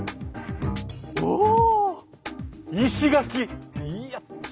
おお！